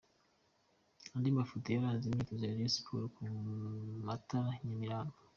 Andi mafoto yaranze imyitozo ya Rayon Sports ku matara i Nyamirambo.